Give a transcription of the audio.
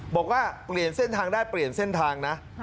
บอกว่าเปลี่ยนเส้นทางได้เปลี่ยนเส้นทางนะ